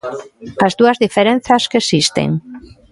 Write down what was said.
As dúas diferenzas que existen.